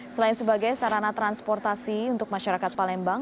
selain sebagai sarana transportasi untuk masyarakat palembang